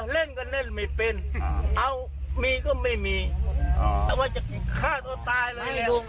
เล่นกันเล่นไม่เป็นเอามีก็ไม่มีแต่ว่าจะฆ่าตัวตายเลย